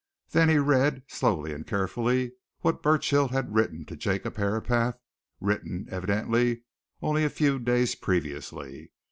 Then he read, slowly and carefully, what Burchill had written to Jacob Herapath written, evidently, only a few days previously.